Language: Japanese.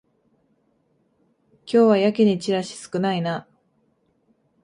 今日はやけにチラシ少ないな